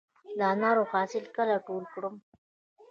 د انارو حاصل کله ټول کړم؟